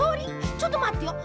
ちょっとまってよ。